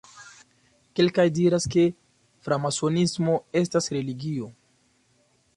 Kelkaj diras, ke framasonismo estas religio.